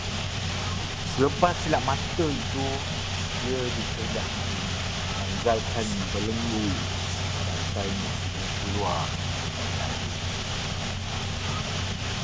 Selepas silap mata itu dia dikehendaki menanggalkan belenggu dan rantainya sebelum keluar dari air